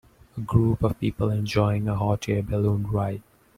A group of people enjoying a hot air balloon ride.